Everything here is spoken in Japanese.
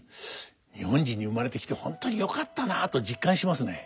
日本人に生まれてきて本当によかったなと実感しますね。